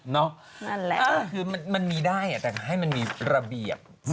นั่นแหละคือมันมีได้แต่ให้มันมีระเบียบ